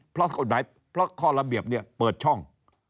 เพราะกฎหมายเพราะข้อระเบียบเนี่ยเปิดช่อง